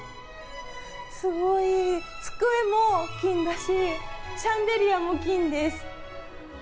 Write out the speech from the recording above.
すごい、机も金だし、シャンデリアも金です。